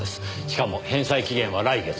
しかも返済期限は来月。